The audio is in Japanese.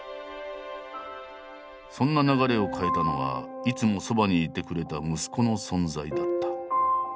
そんな流れを変えたのはいつもそばにいてくれた息子の存在だった。